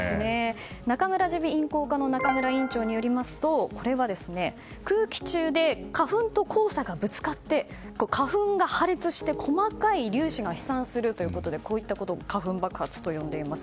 中村耳鼻咽喉科の中村院長によりますとこれは空気中で花粉と黄砂がぶつかって花粉が破裂して細かい粒子が飛散するということでこういったことを花粉爆発と呼んでいます。